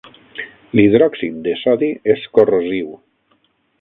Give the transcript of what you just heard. L'hidròxid de sodi és corrosiu.